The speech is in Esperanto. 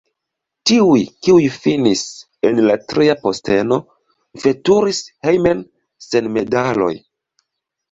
Tiuj, kiuj finis en la tria posteno, veturis hejmen sen medaloj.